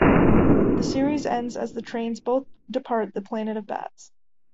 The series ends as the trains both depart the Planet of Bats.